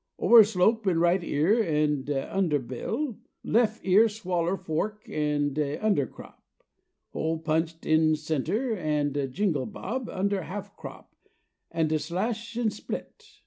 "Overslope in right ear an' de underbill, Lef' ear swaller fork an' de undercrop, Hole punched in center, an' de jinglebob Under half crop, an' de slash an' split.